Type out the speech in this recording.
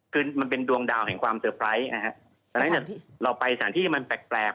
คือมันเป็นดวงดาวแห่งความเซอร์ไพรส์นะฮะดังนั้นเราไปสถานที่มันแปลก